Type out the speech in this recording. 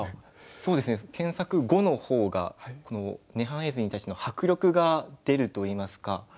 そうですね添削後の方がこの涅槃絵図に対しての迫力が出るといいますか。